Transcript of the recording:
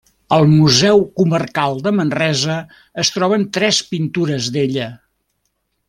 Al Museu Comarcal de Manresa es troben tres pintures d’ella.